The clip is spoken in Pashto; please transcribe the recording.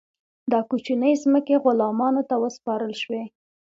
دا کوچنۍ ځمکې غلامانو ته وسپارل شوې.